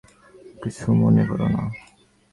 কিছু মনে কোরো না।